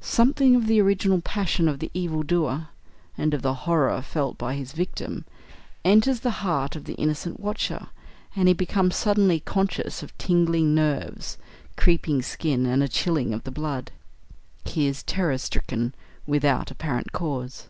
Something of the original passion of the evil doer, and of the horror felt by his victim, enters the heart of the innocent watcher, and he becomes suddenly conscious of tingling nerves, creeping skin, and a chilling of the blood. He is terror stricken without apparent cause.